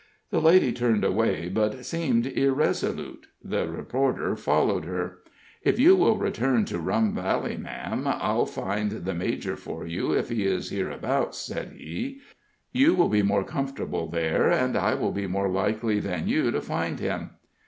The lady turned away, but seemed irresolute. The reporter followed her. "If you will return to Rum Yalley, ma'am, I'll find the major for you, if he is hereabouts," said he. "You will be more comfortable there, and I will be more likely than you to find him."